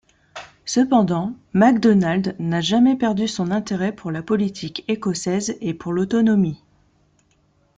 Cependant, MacDonald n'a jamais perdu son intérêt pour la politique écossaise et pour l'autonomie.